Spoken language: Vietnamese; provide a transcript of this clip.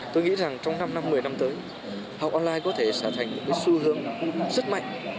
tôi nghĩ rằng trong năm một mươi năm tới học online có thể xả thành một xu hướng rất mạnh